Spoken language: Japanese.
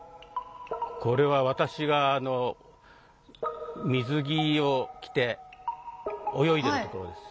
これは私が水着を着て泳いでるところです。